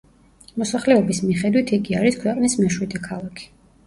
მოსახლეობის მიხედვით იგი არის ქვეყნის მეშვიდე ქალაქი.